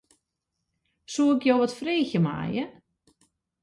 Soe ik jo wat freegje meie?